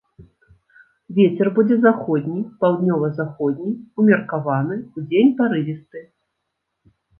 Вецер будзе заходні, паўднёва-заходні, умеркаваны, удзень парывісты.